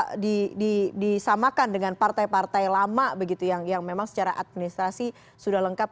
kemudian disamakan dengan partai partai lama begitu yang memang secara administrasi sudah lengkap